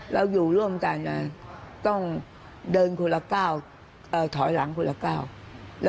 เราอยู่ร่วมกันต้องเดินคนละก้าวถอยหลังคนละก้าว